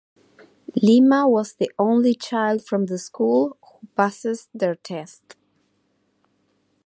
Lima was the only child from the school who passed their test.